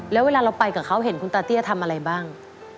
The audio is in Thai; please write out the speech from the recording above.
แล้วเวลาเราไปกับเขาเห็นคุณตาเตี้ยทำอะไรบ้าง